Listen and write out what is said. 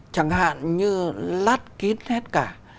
chẳng hạn như lắt kín hết cả